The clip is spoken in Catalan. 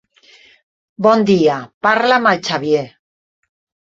Bona dia, parla amb el Xavier.